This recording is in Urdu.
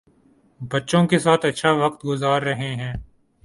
بچوں کے ساتھ اچھا وقت گذار رہے ہیں